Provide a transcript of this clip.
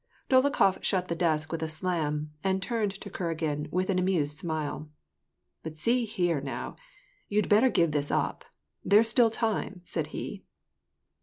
Dolokhof shut the desk with a slam, and turned to Kuragin with an amused smile :—" But see here, now ! you'd better give this up ; there's still time," said he.